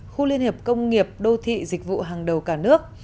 khu liên hiệp công nghiệp đô thị dịch vụ hàng đầu cả nước